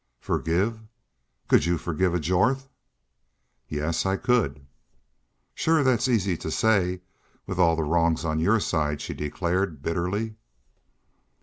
"Forgive! ... Could y'u forgive a Jorth?" "Yes, I could." "Shore that's easy to say with the wrongs all on your side," she declared, bitterly.